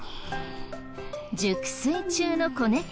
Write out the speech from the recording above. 熟睡中の子猫。